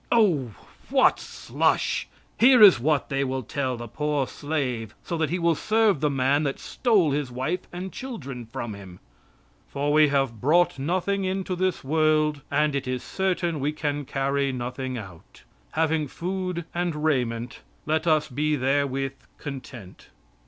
Oh, what slush! Here is what they will tell the poor slave, so that he will serve the man that stole his wife and children from him: "For we brought nothing into this world, and it is certain we can carry nothing out. Having food and raiment let us be therewith content."